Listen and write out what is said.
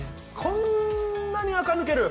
こんなにあか抜ける？